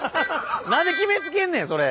何で決めつけんねんそれ。